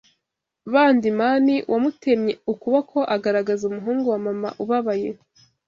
Badi Mani wamutemye ukuboko agaragaza umuhungu wa mama ubabaye